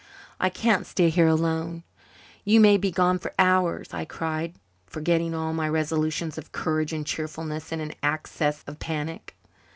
"I can't stay here alone. You may be gone for hours," I cried, forgetting all my resolutions of courage and cheerfulness in an access of panic.